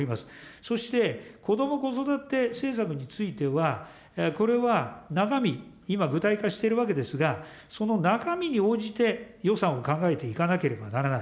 そしてこども・子育て政策については、これは中身、今、具体化しているわけですが、その中身に応じて、予算を考えていかなければならない。